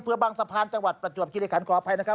เพื่อบางสะพานจังหวัดประจวบคิริขันขออภัยนะครับ